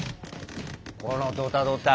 ・このドタドタ。